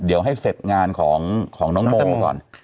เดี๋ยวให้เสร็จงานของน้องโมก่อน